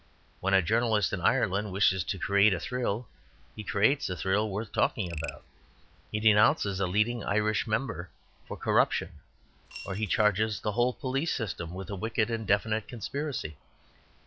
When a journalist in Ireland wishes to create a thrill, he creates a thrill worth talking about. He denounces a leading Irish member for corruption, or he charges the whole police system with a wicked and definite conspiracy.